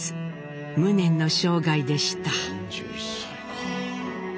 無念の生涯でした。